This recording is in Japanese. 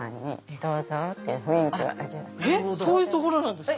そういう所なんですか？